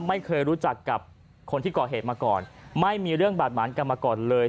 ไม่เคยรู้จักกับคนที่ก่อเหตุมาก่อนไม่มีเรื่องบาดหมานกันมาก่อนเลย